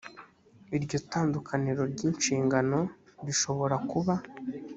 iryo tandukaniro ry inshingano rishobora kuba